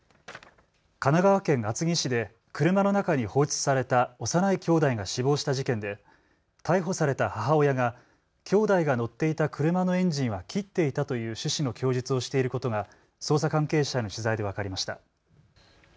神奈川県厚木市で車の中に放置された幼いきょうだいが死亡した事件で逮捕された母親がきょうだいが乗っていた車のエンジンは切っていたという趣旨の供述をしていることが捜査関係者への取材で分かりました。